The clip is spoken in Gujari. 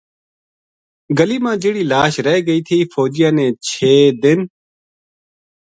گلی ما جہیڑی لاش رہ گئی تھی فوج نے چھ دن